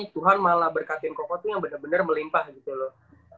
tuhan malah berkatin koko tuh yang bener bener melimpah gitu loh